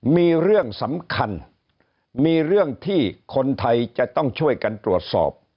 มีเรื่องสำคัญมีเรื่องที่คนไทยจะต้องช่วยกันตรวจสอบ